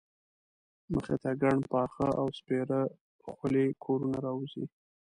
مخې ته ګڼ پاخه او سپېره خولي کورونه راوځي.